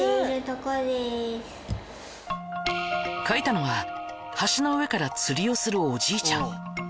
描いたのは橋の上から釣りをするおじいちゃん。